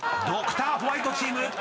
［ドクターホワイトチーム